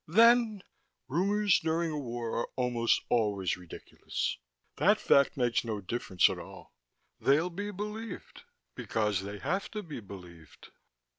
"Then " "Rumors during a war are almost always ridiculous. That fact makes no difference at all. They'll be believed because they have to be believed."